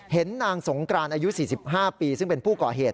เห็นนางสงกรานอายุ๔๕ปีซึ่งเป็นผู้ก่อเหตุ